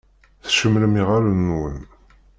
Tcemmṛem iɣallen-nwen.